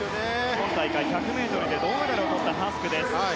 今大会１００ｍで銅メダルをとったハスク。